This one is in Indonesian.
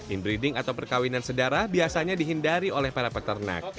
inbreeding atau perkawinan sedara biasanya dihindari oleh para peternak